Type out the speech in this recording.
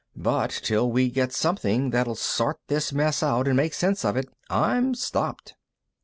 But till we get something that'll sort this mess out and make sense of it, I'm stopped."